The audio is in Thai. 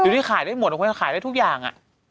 ที่ที่ขายได้หมดเลยเขาจะขายได้ทุกอย่าง